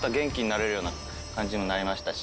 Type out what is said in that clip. ような感じにもなりましたし。